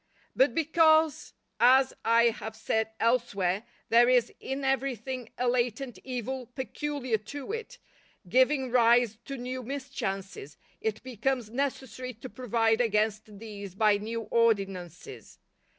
But because, as I have said elsewhere, there is in everything a latent evil peculiar to it, giving rise to new mischances, it becomes necessary to provide against these by new ordinances.